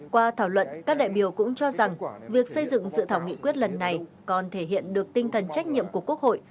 qua thảo luận các đại biểu cũng cho rằng việc xây dựng dự thảo nghị quyết lần này còn thể hiện được tinh thần trách nhiệm của quốc hội